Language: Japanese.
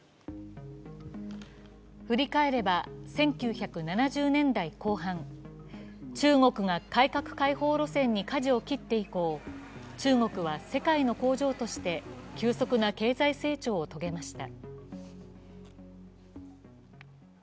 振り返れば、１９７０年代後半、中国が改革開放路線にかじを切って以降、中国は世界の工場として急速な経済成長を遂げました。